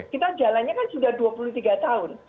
kita jalannya kan sudah dua puluh tiga tahun